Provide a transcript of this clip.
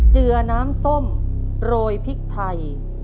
เจือน้ำส้มโรยพริกไทย